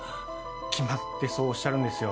決まってそうおっしゃるんですよ